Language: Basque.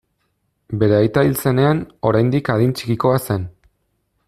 Bere aita hil zenean, oraindik adin txikikoa zen.